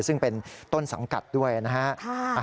ซึ่งเป็นต้นสังกัดด้วยนะฮะ